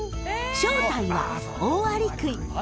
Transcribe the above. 正体はオオアリクイ。